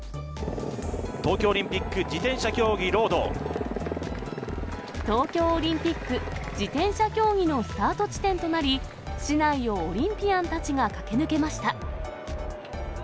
東京オリンピック自転車競技東京オリンピック自転車競技のスタート地点となり、市内をオリンピアンたちが駆け抜けました。